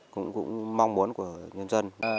cũng cũng mong muốn của nhân dân